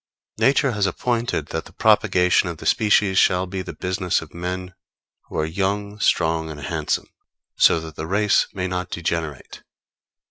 Nature has appointed that the propagation of the species shall be the business of men who are young, strong and handsome; so that the race may not degenerate.